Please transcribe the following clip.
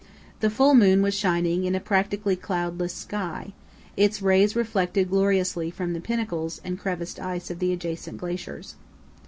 The full moon was shining in a practically cloudless sky, its rays reflected gloriously from the pinnacles and crevassed ice of the adjacent glaciers.